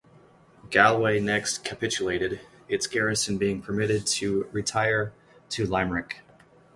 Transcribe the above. Galway next capitulated, its garrison being permitted to retire to Limerick.